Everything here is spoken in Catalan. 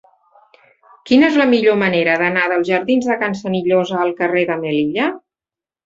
Quina és la millor manera d'anar dels jardins de Can Senillosa al carrer de Melilla?